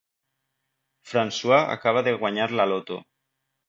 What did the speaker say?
François acaba de guanyar la loto.